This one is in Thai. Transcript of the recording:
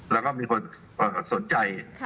แล้วก็มีคนสนใจ